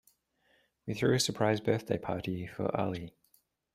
We threw a surprise birthday party for Ali.